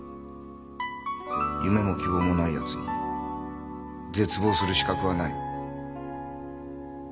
夢も希望もないやつに絶望する資格はない。